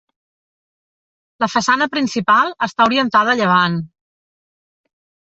La façana principal està orientada a llevant.